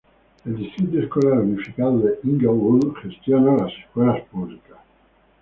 El Distrito Escolar Unificado de Inglewood gestiona las escuelas públicas.